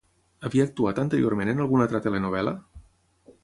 Havia actuat anteriorment en alguna altra telenovel·la?